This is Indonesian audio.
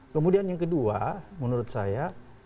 kemudian yang kedua menurut saya